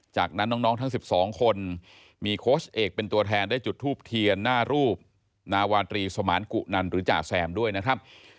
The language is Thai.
จากนั้นน้องทั้ง๑๒คนมีโค้ชเอกเป็นตัวแทนได้จุดทูบเทียนหน้ารูปนาวาตรีสมานกุนันหรือจ่าแซมด้วยนะครับ